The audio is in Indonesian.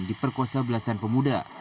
diperkosa belasan pemuda